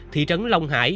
thị trấn long hải